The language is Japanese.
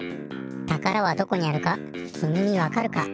たからはどこにあるかきみにわかるか？